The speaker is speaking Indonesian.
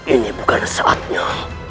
ini bukan saatnya